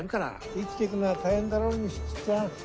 生きていくのは大変だろ西木ちゃん。